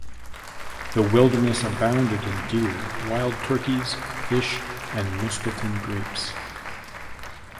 The wilderness abounded in deer, wild turkeys, fish and muscadine grapes.